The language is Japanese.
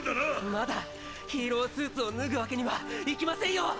まだヒーロースーツを脱ぐわけにはいきませんよ！